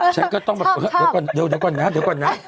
ช่างก็ต้องอะเดี๋ยวก่อนนะ